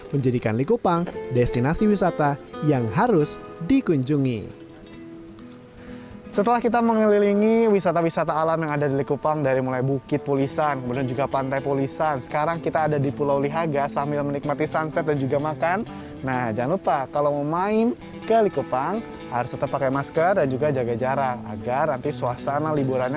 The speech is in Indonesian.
menjadikan likupang destinasi wisata yang harus dikunjungi